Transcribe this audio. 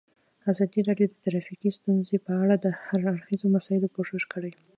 ازادي راډیو د ټرافیکي ستونزې په اړه د هر اړخیزو مسایلو پوښښ کړی.